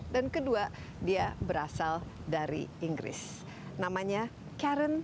dan juga olimpiade